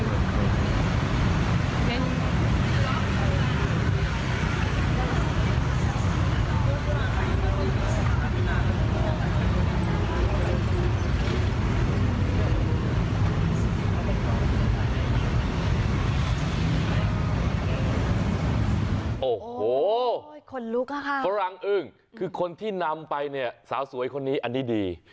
โอ้โหคนลุกอะค่ะฝรั่งอึ้งคือคนที่นำไปเนี่ยสาวสวยคนนี้อันนี้ดี